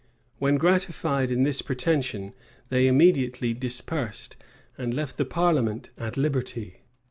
When gratified in this pretension, they immediately dispersed, and left the parliament at liberty.